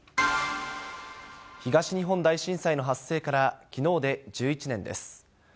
東日本大震災の発生からきのうで１１年です。